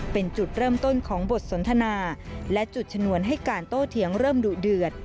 เป็นจุดเริ่มต้นของบทสนทนาและจุดชนวนให้การโต้เถียงเริ่มดุเดือด